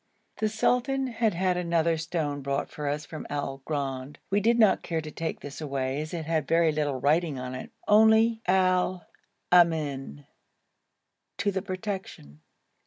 The sultan had had another stone brought for us from Al Gran; we did not care to take this away as it had very little writing on it, only [Symbol: script] (al amin, to the protection).